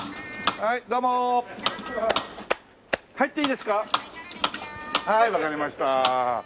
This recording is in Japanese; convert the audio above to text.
はーいわかりました。